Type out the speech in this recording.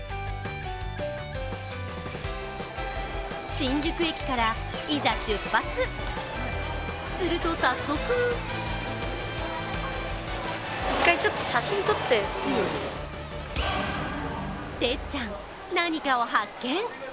新宿駅からいざ出発、すると早速てっちゃん、何かを発見。